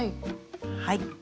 はい。